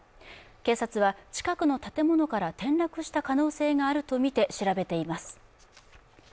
警察は近くの建物から転落した可能性があるとみて調べています。